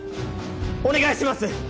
お願いします！